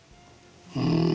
うん。